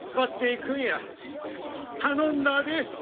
頼んだで。